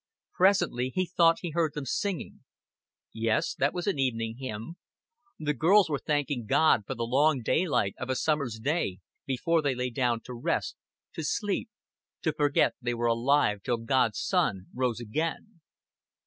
Presently he thought he heard them singing. Yes, that was an evening hymn. The girls were thanking God for the long daylight of a summer's day, before they lay down to rest, to sleep, to forget they were alive till God's sun rose again.